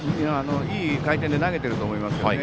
いい回転で投げていると思います。